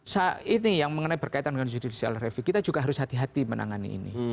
nah ini yang mengenai berkaitan dengan judicial review kita juga harus hati hati menangani ini